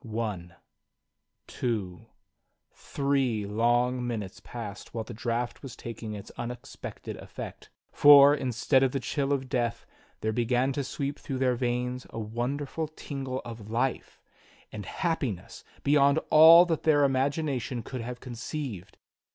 One, two, three long minutes passed while the draught was tak ing its unexpected effect; for, instead of the chill of death there began to sweep through their veins a wonderful tingle of life and happiness beyond all that their imagination could have conceived.